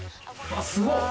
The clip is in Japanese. すごっ！